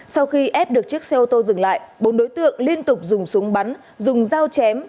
sau khi ép được chiếc xe ô tô dừng lại bốn đối tượng liên tục dùng súng bắn dùng dao chém